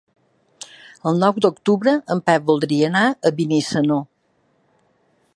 El nou d'octubre en Pep voldria anar a Benissanó.